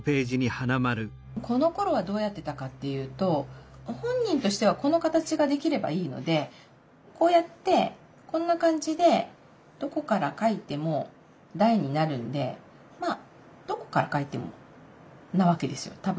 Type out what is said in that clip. このころはどうやってたかっていうと本人としてはこの形ができればいいのでこうやってこんな感じでどこから書いても「題」になるんでまあどこから書いてもなわけですよ